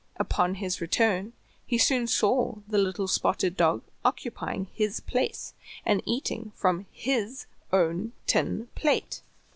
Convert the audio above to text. Upon his return he soon saw the little spotted dog occupying his place, and eating from his own tin plate.